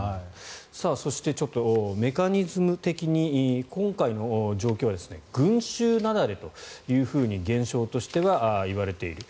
そして、メカニズム的に今回の状況は群衆雪崩というふうに現象としてはいわれている。